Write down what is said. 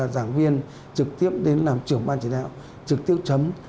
giảng viên trực tiếp đến làm trưởng ban chỉ đạo trực tiếp chấm